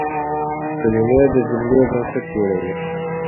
کلیمه د جملې بنسټ جوړوي.